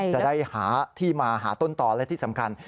จะได้หาที่มาหาต้นต่อและที่สำคัญ